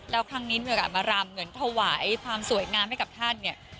แล้วครั้งนี้มีโอกาสมารำเหมือนถวายความสวยงามให้กับท่านเนี่ย